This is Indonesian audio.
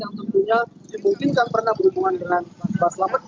yang tentunya mungkin kan pernah berhubungan dengan mbak selamet